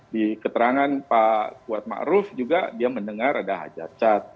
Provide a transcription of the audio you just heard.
di keterangan pak kuatma'ruf juga dia mendengar ada hajar chad